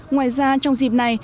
ngoài ra trong dịp này